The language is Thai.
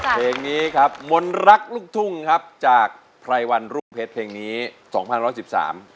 เพลงนี้ครับมนต์รักลูกทุ่งครับจากไพรวันรุ่งเพชรเพลงนี้สองพันร้อยสิบสาม